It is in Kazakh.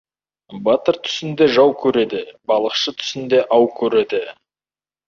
Батыр түсінде жау көреді, балықшы түсінде ау көреді.